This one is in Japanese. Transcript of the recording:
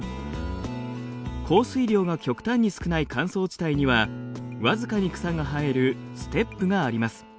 降水量が極端に少ない乾燥地帯には僅かに草が生えるステップがあります。